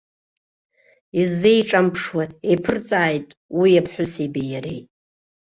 Изеиҿамԥшуа еиԥырҵааит уи аԥҳәысеибеи иареи.